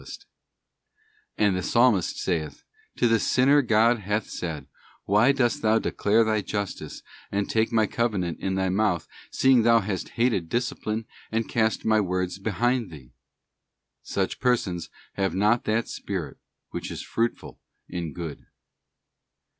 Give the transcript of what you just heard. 't And the Psalmist saith, 'To the sinner God hath said, Why dost thou declare My justice, and take My cove nant in thy mouth, seeing thou hast hated discipline and cast My words behind thee?' § 'Such persons have not that spirit which is fruitful in good.